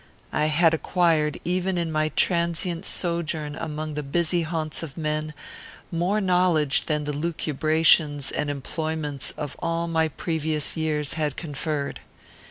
I had acquired, even in my transient sojourn among the busy haunts of men, more knowledge than the lucubrations and employments of all my previous years had conferred.